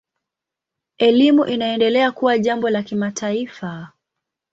Elimu inaendelea kuwa jambo la kimataifa.